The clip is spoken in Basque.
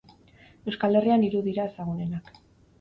Euskal Herrian hiru dira ezagunenak.